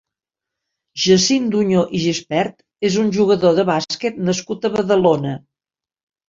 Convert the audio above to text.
Jacint Duñó i Gispert és un jugador de bàsquet nascut a Badalona.